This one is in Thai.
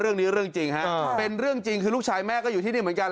เรื่องนี้เรื่องจริงฮะเป็นเรื่องจริงคือลูกชายแม่ก็อยู่ที่นี่เหมือนกัน